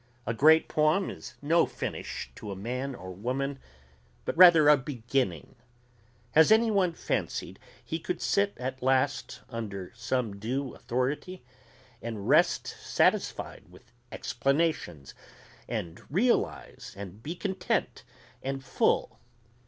A great poem is no finish to a man or woman but rather a beginning. Has any one fancied he could sit at last under some due authority and rest satisfied with explanations and realize and be content and full?